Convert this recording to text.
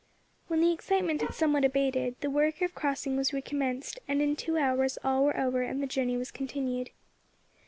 When the excitement had somewhat abated, the work of crossing was recommenced, and in two hours all were over and the journey was continued.